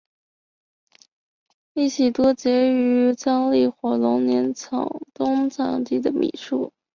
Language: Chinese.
依喜多杰生于藏历火龙年藏东康地的米述。